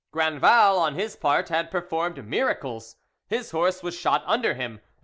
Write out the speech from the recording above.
Grandval, on his part, had performed miracles: his horse was shot under him, and M.